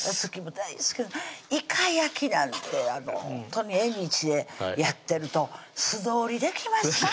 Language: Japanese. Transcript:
大好きいか焼きなんてほんとに縁日でやってると素通りできますか？